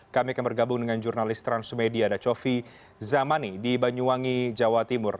kami akan bergabung dengan jurnalis transmedia ada cofi zamani di banyuwangi jawa timur